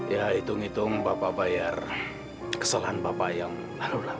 ya hitung hitung bapak bayar kesalahan bapak yang lalu